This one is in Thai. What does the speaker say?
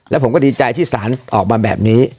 แล้วผมก็ดีใจที่สารออกมาแบบนี้